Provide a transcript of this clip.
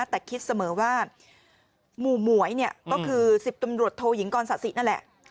แต่คิดเสมอว่าหมู่หมวยเนี่ยก็คือ๑๐ตำรวจโทยิงกรศาสินั่นแหละ